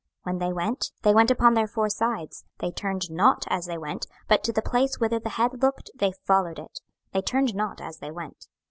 26:010:011 When they went, they went upon their four sides; they turned not as they went, but to the place whither the head looked they followed it; they turned not as they went.